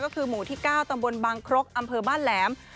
ก็คือหมู่ที่๙ตำบลบางครกอำเภอบ้านแหลม